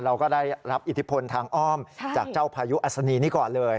เราก็ได้รับอิทธิพลทางอ้อมจากเจ้าพายุอัศนีนี้ก่อนเลย